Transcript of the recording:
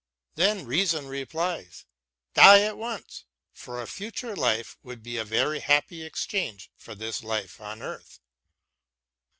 Then Reason replies :" Die at once, for a future life would be a very happy exchange for this life on earth."